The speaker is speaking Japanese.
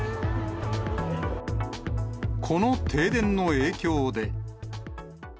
この停電の影響で。